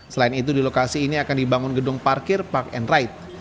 selain itu di lokasi ini akan dibangun gedung parkir park and ride